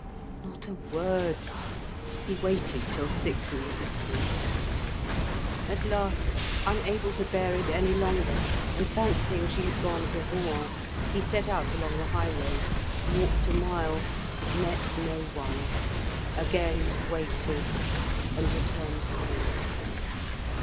Not a word! He waited till six in the evening. At last, unable to bear it any longer, and fancying she had gone to Rouen, he set out along the highroad, walked a mile, met no one, again waited, and returned home.